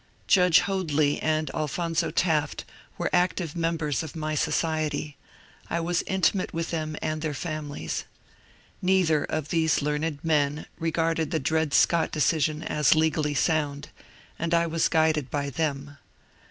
Judge Hoadly and Alphonzo Taft were active members of my society; I was intimate with them and their families. Neither of these learned men regarded the Dred Scott decision as legally sound, and I was guided by them.